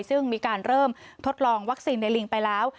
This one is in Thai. ซึ่งมีการเริ่มทดลองวัคซีนในลิงไปแล้ว